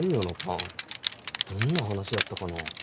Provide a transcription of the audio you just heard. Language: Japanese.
どんな話やったかな。